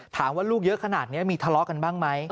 ลูกเยอะขนาดนี้มีทะเลาะกันบ้างไหม